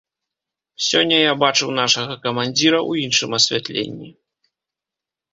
Сёння я бачыў нашага камандзіра ў іншым асвятленні.